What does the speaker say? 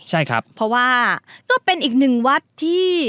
ใช่ครับเพราะว่าก็เป็นอีกหนึ่งวัดที่